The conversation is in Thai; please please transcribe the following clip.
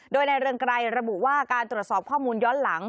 โดยนายเรืองไกรระบุว่าการตรวจสอบข้อมูลย้อนหลัง